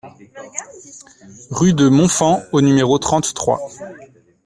Rue de Montfand au numéro trente-trois